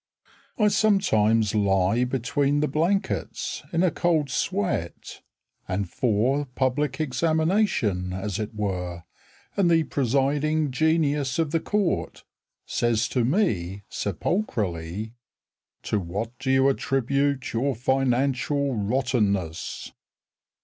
I sometimes lie Between the blankets In a cold sweat And for public examination as it were, And the presiding genius of the court Says to me, sepulchrally, "To what do you attribute your financial rottenness?"